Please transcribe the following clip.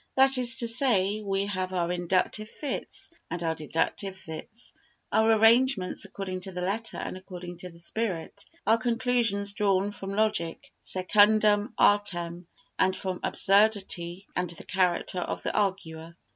That is to say, we have our inductive fits and our deductive fits, our arrangements according to the letter and according to the spirit, our conclusions drawn from logic secundum artem and from absurdity and the character of the arguer.